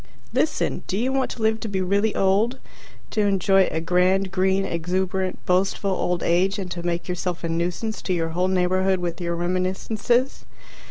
Listen. Do you want to live to be really old, to enjoy a grand, green, exuberant, boastful old age and to make yourself a nuisance to your whole neighbourhood with your reminiscences?